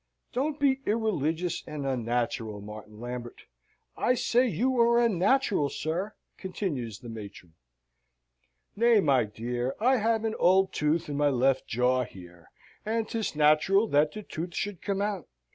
"Don't be irreligious and unnatural, Martin Lambert! I say you are unnatural, sir!" continues the matron. "Nay, my dear, I have an old tooth in my left jaw, here; and 'tis natural that the tooth should come out.